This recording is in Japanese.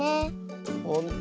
ほんと。